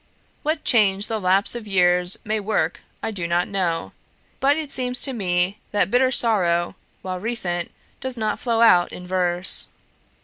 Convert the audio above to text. What change the lapse of years may work I do not know; but it seems to me that bitter sorrow, while recent, does not flow out in verse.